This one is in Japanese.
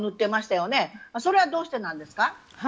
それはどうしてなんですか？